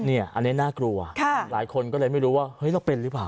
อันนี้น่ากลัวหลายคนก็เลยไม่รู้ว่าเฮ้ยเราเป็นหรือเปล่า